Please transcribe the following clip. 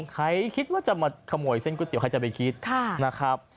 ใครคิดว่าจะมาขโมยเส้นก๋วยเตี๋ใครจะไปคิดนะครับ